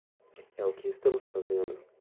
É o que estamos fazendo.